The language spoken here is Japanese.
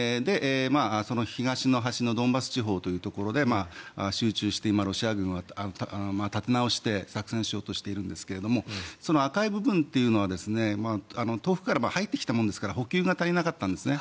その東の端のドンバス地方というところで集中して今、ロシア軍は立て直して作戦しようとしているんですがその赤い部分は遠くから入ってきたものですから補給が足りなかったんですね。